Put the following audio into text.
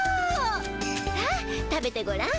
さあ食べてごらん。